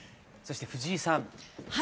そして藤井さん。